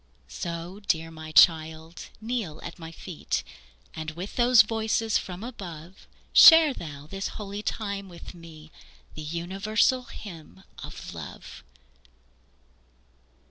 So, dear my child, kneel at my feet, And with those voices from above Share thou this holy time with me, The universal hymn of love.